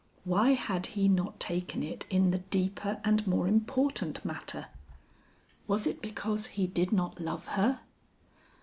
Why had he not taken it in the deeper and more important matter? Was it because he did not love her?